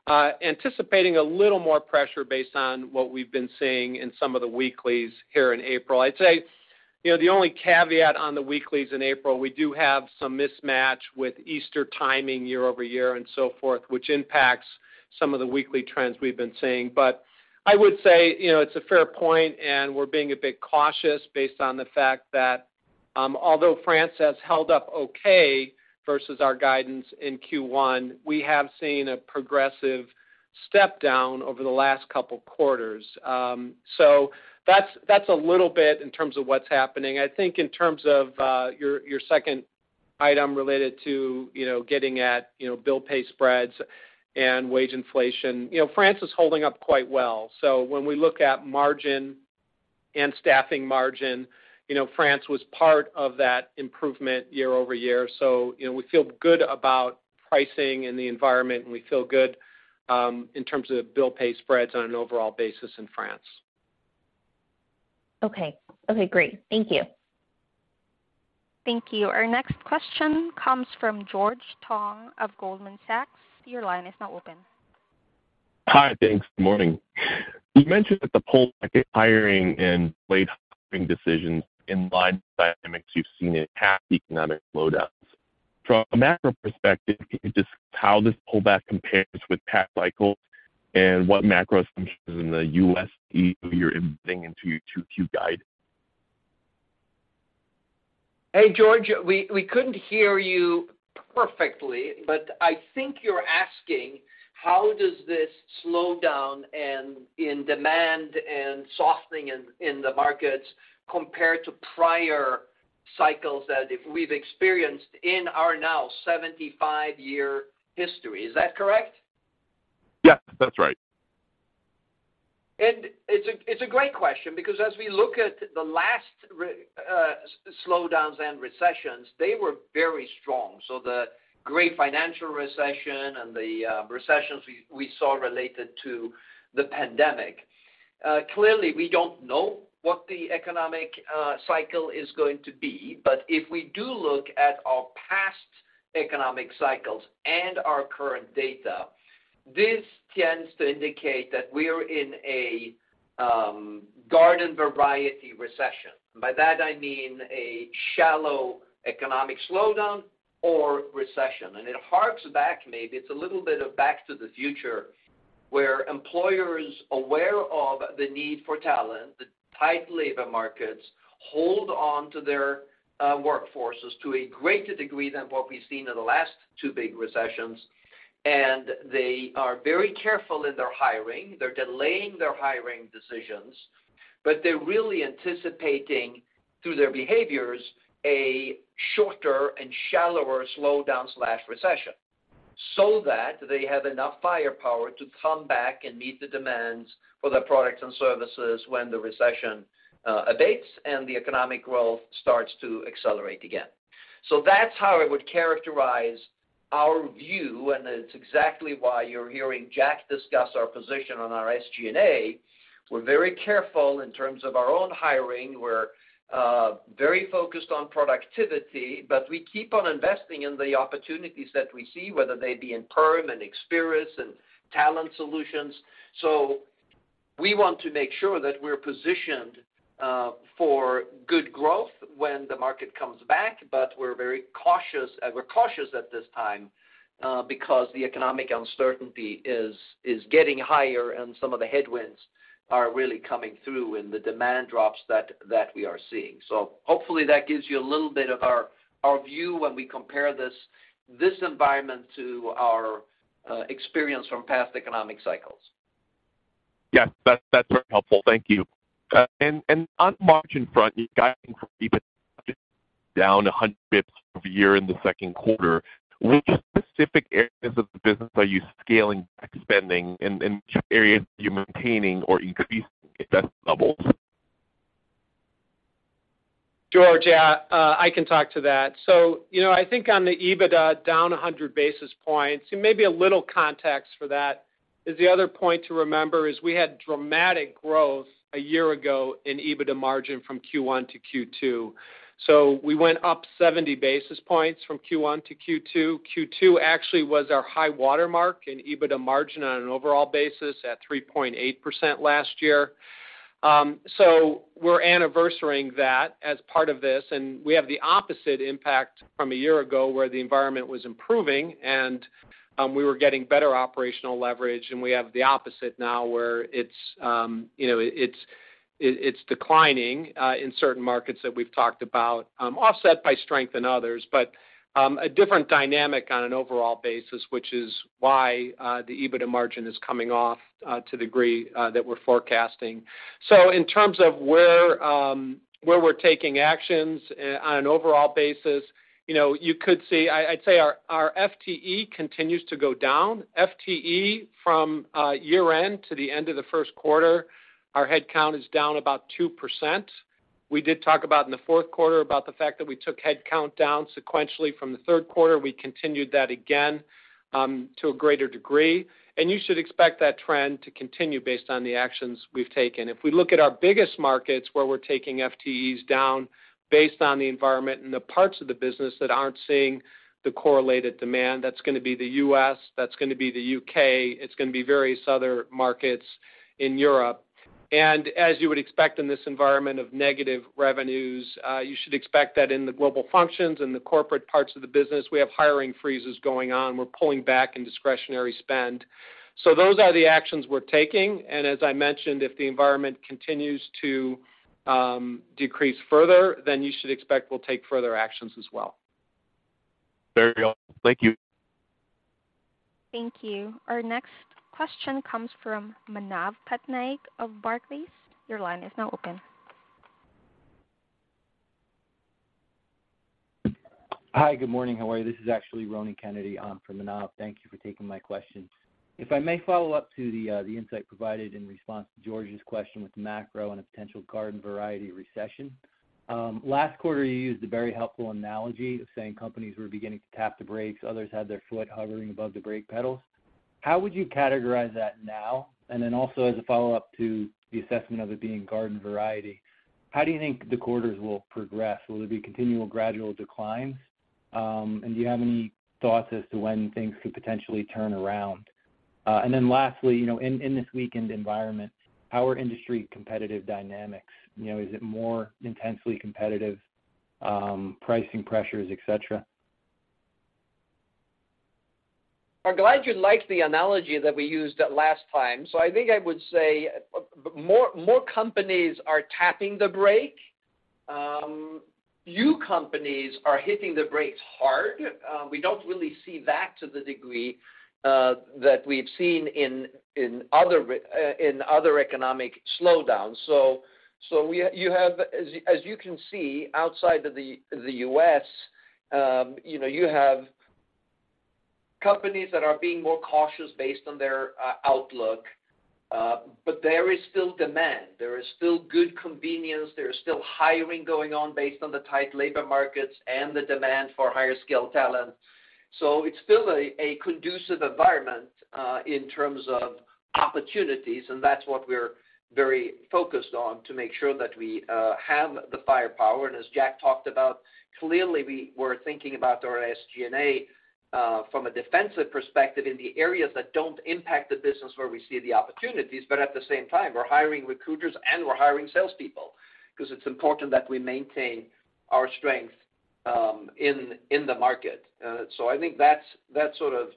anticipating a little more pressure based on what we've been seeing in some of the weeklies here in April. I'd say, you know, the only caveat on the weeklies in April, we do have some mismatch with Easter timing year-over-year and so forth, which impacts some of the weekly trends we've been seeing. I would say, you know, it's a fair point, and we're being a bit cautious based on the fact that, although France has held up okay versus our guidance in Q1, we have seen a progressive step down over the last couple quarters. That's, that's a little bit in terms of what's happening. I think in terms of your second item related to, you know, getting at, you know, bill pay spreads and wage inflation. You know, France is holding up quite well. When we look at margin and staffing margin, you know, France was part of that improvement year-over-year. You know, we feel good about pricing and the environment, and we feel good in terms of bill pay spreads on an overall basis in France. Okay. Okay, great. Thank you. Thank you. Our next question comes from George Tong of Goldman Sachs. Your line is now open. Hi. Thanks. Morning. You mentioned that the pullback in hiring and late hiring decisions in line with the dynamics you've seen in past economic slowdowns. From a macro perspective, can you describe how this pullback compares with past cycles and what macro assumptions in the U.S. you're embedding into your 2Q guidance? Hey, George. We couldn't hear you perfectly, but I think you're asking, how does this slowdown and in demand and softening in the markets compare to prior cycles that if we've experienced in our now 75-year history. Is that correct? Yes, that's right. It's a great question because as we look at the last slowdowns and recessions, they were very strong. The great financial recession and the recessions we saw related to the pandemic. Clearly we don't know what the economic cycle is going to be. If we do look at our past economic cycles and our current data, this tends to indicate that we are in a garden variety recession. By that I mean a shallow economic slowdown or recession. It harks back, maybe it's a little bit of back to the future, where employers aware of the need for talent, the tight labor markets, hold on to their workforces to a greater degree than what we've seen in the last two big recessions. They are very careful in their hiring. They're delaying their hiring decisions. They're really anticipating through their behaviors, a shorter and shallower slowdown/recession so that they have enough firepower to come back and meet the demands for their products and services when the recession abates and the economic growth starts to accelerate again. That's how I would characterize our view, and it's exactly why you're hearing Jack discuss our position on our SG&A. We're very careful in terms of our own hiring. We're very focused on productivity. We keep on investing in the opportunities that we see, whether they be in perm and Experis and Talent Solutions. We want to make sure that we're positioned for good growth when the market comes back, but we're very cautious at this time, because the economic uncertainty is getting higher and some of the headwinds are really coming through in the demand drops that we are seeing. Hopefully that gives you a little bit of our view when we compare this environment to our experience from past economic cycles. Yes. That's very helpful. Thank you. On the margin front, you guys have been down 100 basis points year-over-year in the second quarter. Which specific areas of the business are you scaling back spending and which areas are you maintaining or increasing investment levels? George, I can talk to that. You know, I think on the EBITDA down 100 basis points, and maybe a little context for that is the other point to remember is we had dramatic growth a year ago in EBITDA margin from Q1 to Q2. We went up 70 basis points from Q1 to Q2. Q2 actually was our high watermark in EBITDA margin on an overall basis at 3.8% last year. We're anniversarying that as part of this, and we have the opposite impact from a year ago where the environment was improving and we were getting better operational leverage, and we have the opposite now, where it's, you know, it's declining in certain markets that we've talked about, offset by strength in others. A different dynamic on an overall basis, which is why the EBITDA margin is coming off to degree that we're forecasting. In terms of where we're taking actions on an overall basis, you know, you could see. I'd say our FTE continues to go down. FTE from year-end to the end of the first quarter, our headcount is down about 2%. We did talk about in the fourth quarter about the fact that we took headcount down sequentially from the third quarter. We continued that again to a greater degree. You should expect that trend to continue based on the actions we've taken. If we look at our biggest markets, where we're taking FTEs down based on the environment and the parts of the business that aren't seeing the correlated demand, that's gonna be the U.S., that's gonna be the U.K., it's gonna be various other markets in Europe. As you would expect in this environment of negative revenues, you should expect that in the global functions and the corporate parts of the business, we have hiring freezes going on. We're pulling back in discretionary spend. Those are the actions we're taking. As I mentioned, if the environment continues to decrease further, then you should expect we'll take further actions as well. Very well. Thank you. Thank you. Our next question comes from Manav Patnaik of Barclays. Your line is now open. Hi. Good morning. How are you? This is actually Ronan Kennedy on for Manav. Thank you for taking my question. If I may follow up to the insight provided in response to George's question with macro and a potential garden variety recession. Last quarter, you used a very helpful analogy of saying companies were beginning to tap the brakes, others had their foot hovering above the brake pedals. How would you categorize that now? Also as a follow-up to the assessment of it being garden variety, how do you think the quarters will progress? Will it be continual gradual decline? Do you have any thoughts as to when things could potentially turn around? Lastly, you know, in this weakened environment, how are industry competitive dynamics? You know, is it more intensely competitive, pricing pressures, et cetera? I'm glad you liked the analogy that we used last time. I think I would say more companies are tapping the brake. New companies are hitting the brakes hard. We don't really see that to the degree that we've seen in other economic slowdowns. You have, as you can see outside of the U.S., you know, you have companies that are being more cautious based on their outlook. There is still demand. There is still good convenience. There is still hiring going on based on the tight labor markets and the demand for higher skilled talent. It's still a conducive environment in terms of opportunities, and that's what we're very focused on to make sure that we have the firepower. As Jack talked about, clearly, we were thinking about our SG&A from a defensive perspective in the areas that don't impact the business where we see the opportunities. At the same time, we're hiring recruiters, and we're hiring salespeople 'cause it's important that we maintain our strength in the market. I think that's sort of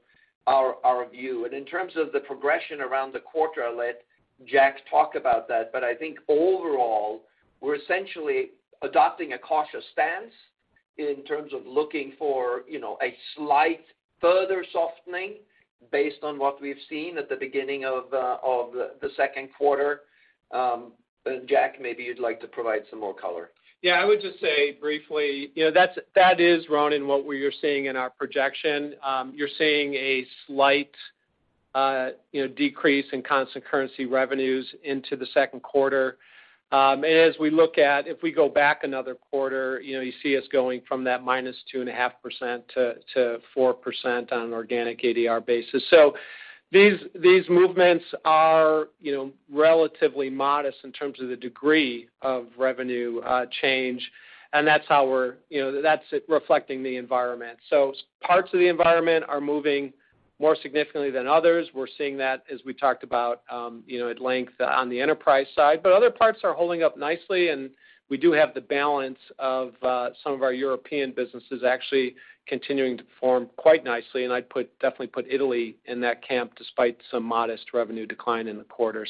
our view. In terms of the progression around the quarter, I'll let Jack talk about that. I think overall, we're essentially adopting a cautious stance in terms of looking for, you know, a slight further softening based on what we've seen at the beginning of the second quarter. Jack, maybe you'd like to provide some more color. I would just say briefly, you know, that's, that is, Ron, in what we are seeing in our projection. You're seeing a slight, you know, decrease in constant currency revenues into the second quarter. As we look at, if we go back another quarter you see us going from that -2.5% to 4% on an organic ADR basis. These, these movements are, you know, relatively modest in terms of the degree of revenue, change, and that's how we're that's reflecting the environment. Parts of the environment are moving more significantly than others. We're seeing that as we talked about at length on the enterprise side. Other parts are holding up nicely, and we do have the balance of some of our European businesses actually continuing to perform quite nicely, and I'd put, definitely put Italy in that camp despite some modest revenue decline in the quarter.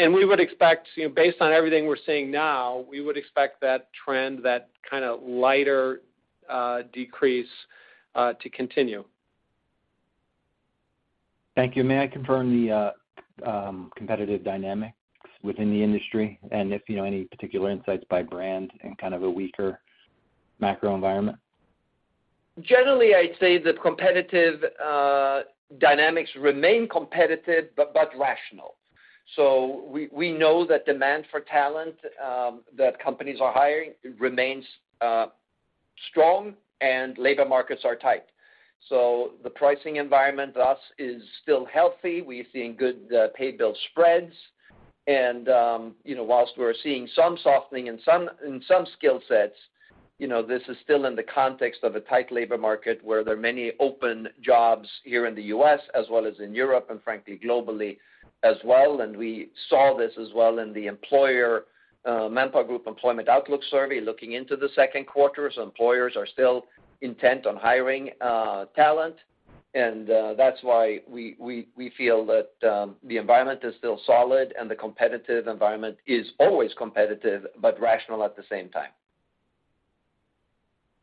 We would expect, you know, based on everything we're seeing now, we would expect that trend, that kinda lighter decrease to continue. Thank you. May I confirm the competitive dynamics within the industry and if you know any particular insights by brand in kind of a weaker macro environment? Generally, I'd say that competitive dynamics remain competitive, but rational. We know that demand for talent that companies are hiring remains strong and labor markets are tight. The pricing environment, thus, is still healthy. We're seeing good pay bill spreads. You know, whilst we're seeing some softening in some skill sets, you know, this is still in the context of a tight labor market where there are many open jobs here in the U.S. as well as in Europe, and frankly, globally as well. We saw this as well in the employer ManpowerGroup Employment Outlook Survey, looking into the second quarter as employers are still intent on hiring talent. That's why we feel that the environment is still solid and the competitive environment is always competitive, but rational at the same time.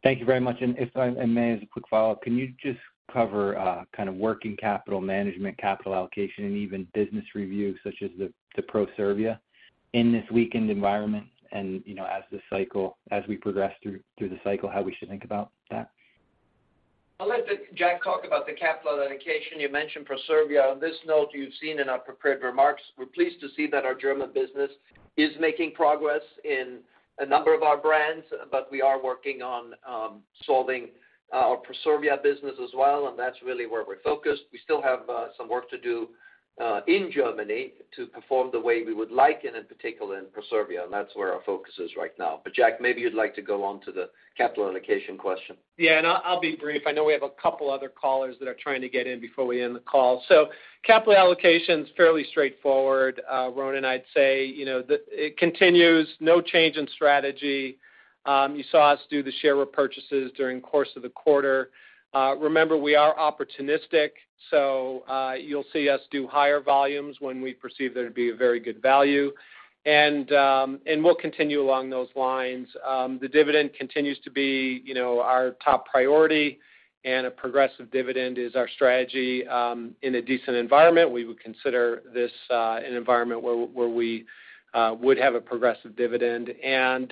Thank you very much. If I may, as a quick follow-up, can you just cover, kind of working capital management, capital allocation, and even business reviews such as the Proservia in this weakened environment and, you know, as we progress through the cycle, how we should think about that? I'll let Jack talk about the capital allocation. You mentioned Proservia. On this note, you've seen in our prepared remarks, we're pleased to see that our German business is making progress in a number of our brands, but we are working on solving our Proservia business as well, and that's really where we're focused. We still have some work to do in Germany to perform the way we would like and in particular in Proservia, and that's where our focus is right now. Jack, maybe you'd like to go on to the capital allocation question. I'll be brief. I know we have a couple other callers that are trying to get in before we end the call. Capital allocation is fairly straightforward. Ron, I'd say, you know, it continues, no change in strategy. You saw us do the share repurchases during the course of the quarter. Remember, we are opportunistic, you'll see us do higher volumes when we perceive there to be a very good value. We'll continue along those lines. The dividend continues to be, you know, our top priority, a progressive dividend is our strategy, in a decent environment. We would consider this an environment where we would have a progressive dividend. Then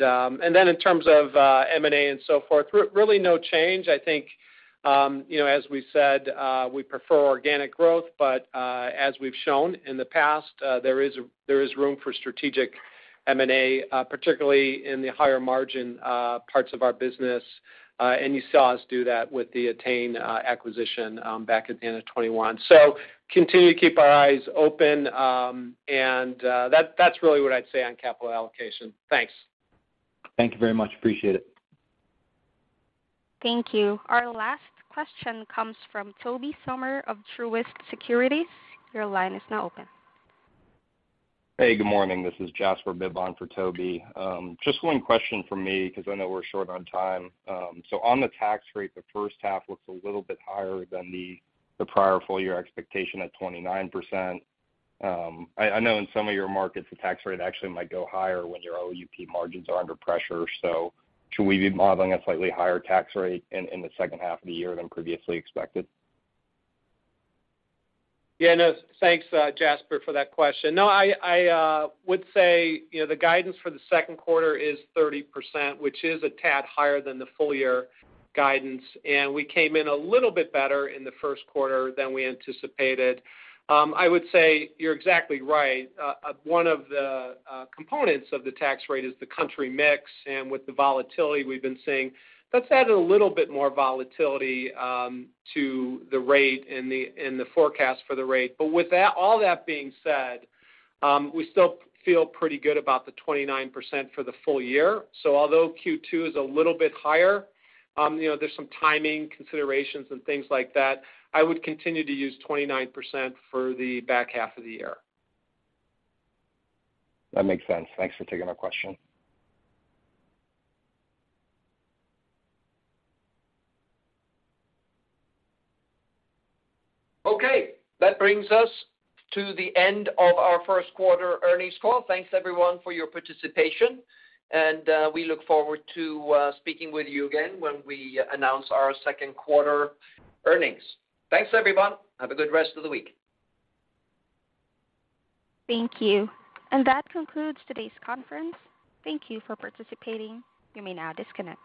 in terms of M&A and so forth, really no change. As we said, we prefer organic growth. As we've shown in the past, there is room for strategic M&A, particularly in the higher-margin parts of our business. You saw us do that with the ettain group acquisition, back at the end of 2021. Continue to keep our eyes open, and that's really what I'd say on capital allocation. Thanks. Thank you very much. Appreciate it. Thank you. Our last question comes from Tobey Sommer of Truist Securities. Your line is now open. Hey, good morning. This is Jasper Bibb for Tobey. Just one question from me 'cause I know we're short on time. On the tax rate, the first half looks a little bit higher than the prior full-year expectation at 29%. I know in some of your markets, the tax rate actually might go higher when your OUP margins are under pressure. Should we be modeling a slightly higher tax rate in the second half of the year than previously expected? No. Thanks, Jasper, for that question. No, I would say the guidance for the second quarter is 30%, which is a tad higher than the full-year guidance. We came in a little bit better in the first quarter than we anticipated. I would say you're exactly right. One of the components of the tax rate is the country mix, and with the volatility we've been seeing, that's added a little bit more volatility to the rate and the forecast for the rate. With that, all that being said, we still feel pretty good about the 29% for the full year. Although Q2 is a little bit higher, you know, there's some timing considerations and things like that I would continue to use 29% for the back half of the year. That makes sense. Thanks for taking my question. Okay. That brings us to the end of our first quarter earnings call. Thanks, everyone, for your participation, and we look forward to speaking with you again when we announce our second quarter earnings. Thanks, everyone. Have a good rest of the week. Thank you. That concludes today's conference. Thank you for participating. You may now disconnect.